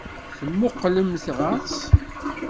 Temmuqqlemt ɣer-s?